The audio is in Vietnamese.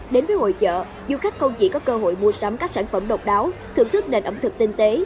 đến với hội trợ du khách không chỉ có cơ hội mua sắm các sản phẩm độc đáo thưởng thức nền ẩm thực tinh tế